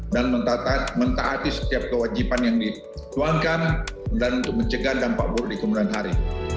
dan mentaati setiap kewajiban yang dituangkan dan untuk mencegah dampak buruk di kemudahan hari